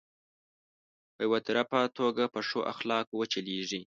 په يو طرفه توګه په ښو اخلاقو وچلېږي.